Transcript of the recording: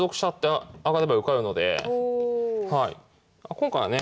今回はね